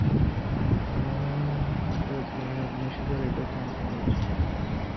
তোমার প্রাচীন অগ্নিশিখার এটা করার ক্ষমতা আছে, সোনা।